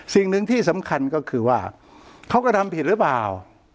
สิ่งหนึ่งที่สำคัญก็คือว่าเขาก็ทำผิดหรือเปล่า